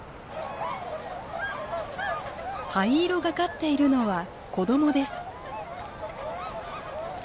灰色がかっているのは子供です。